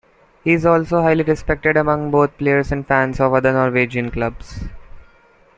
He is also highly respected among both players and fans of other Norwegian clubs.